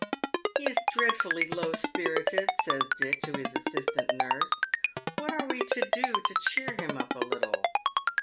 " He's dreadfully low spirLted," says Dick to his assistant nurse. " What are we to do to cheer him up a little